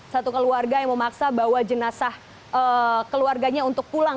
satu keluarga yang memaksa bawa jenazah keluarganya untuk pulang